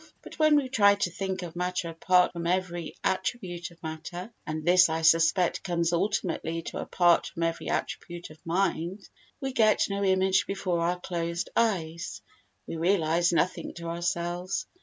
But when we try to think of matter apart from every attribute of matter (and this I suspect comes ultimately to "apart from every attribute of mind") we get no image before our closed eyes—we realise nothing to ourselves.